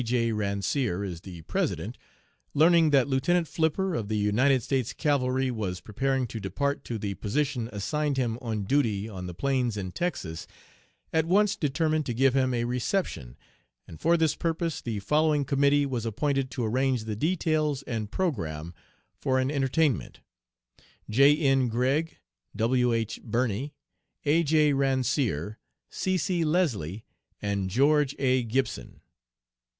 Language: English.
J. Ransier is the President, learning that Lieutenant Flipper, of the United States Cavalry, was preparing to depart to the position assigned him on duty on the plains in Texas, at once determined to give him a reception, and for this purpose the following committee was appointed to arrange the details and programme for an entertainment: J. N. Gregg, W. H. Birny, A. J. Ransier, C. C. Leslie, and George A. Gibson.